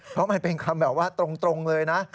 เพราะมันเป็นคำแบบว่าตรงเลยนะ